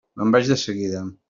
Me'n vaig de seguida.